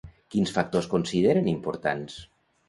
Quins factors consideren importants?